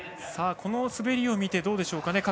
この滑りを見てどうでしょうか。